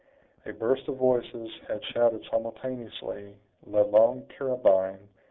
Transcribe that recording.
A burst of voices had shouted simultaneously, "La Longue Carabine!"